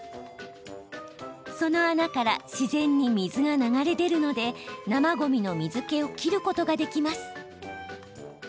その穴から自然に水が流れ出るので生ごみの水けを切ることができます。